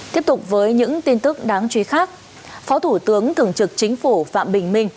tiếp tục với những tin tức đáng chú ý khác phó thủ tướng thường trực chính phủ phạm bình minh